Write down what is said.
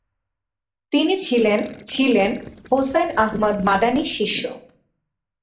তিনি ছিলেন ছিলেন হোসাইন আহমদ মাদানীর শিষ্য।